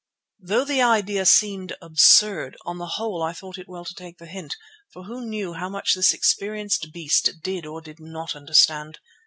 Although the idea seemed absurd, on the whole I thought it well to take the hint, for who knew how much this experienced beast did or did not understand?